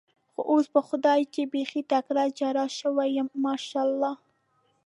خو اوس په خدای چې بېخي تکړه جراح شوی یم، ماشاءالله.